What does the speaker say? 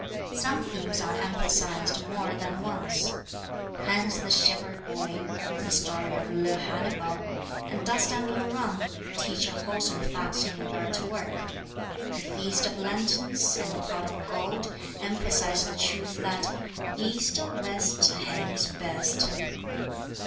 Some themes are emphasized more than once. "Hans the Shepherd Boy," "The Story of Li'l' Hannibal," and "Dust under the Rug," teach wholesome facts in regard to work. "The Feast of Lanterns" and "The Pot of Gold" emphasize the truth that East or west, Hame's best.